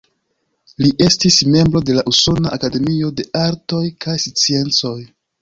Li estis membro de la Usona Akademio de Artoj kaj Sciencoj.